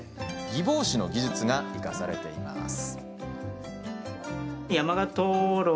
擬宝珠の技術が生かされています。